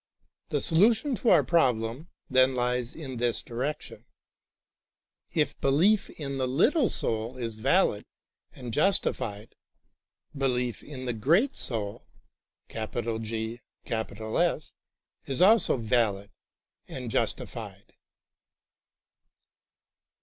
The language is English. The solution of our problem, then, lies in this direction. If belief in the little soul is valid and justified, belief in the Great Soul is also valid and justified.